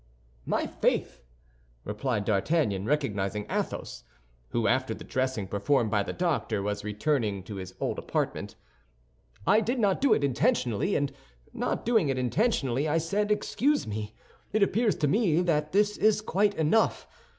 "My faith!" replied D'Artagnan, recognizing Athos, who, after the dressing performed by the doctor, was returning to his own apartment. "I did not do it intentionally, and not doing it intentionally, I said 'Excuse me.' It appears to me that this is quite enough.